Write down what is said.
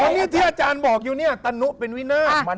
อันนี้ที่อาจารย์บอกอยู่เนี่ยตะนุเป็นวินาศ